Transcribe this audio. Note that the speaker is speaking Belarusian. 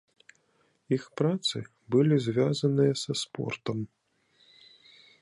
Іх працы былі звязаныя са спортам.